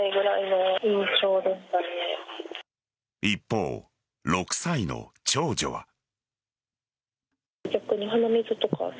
一方、６歳の長女は。